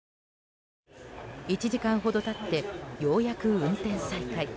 １時間ほど経ってようやく運転再開。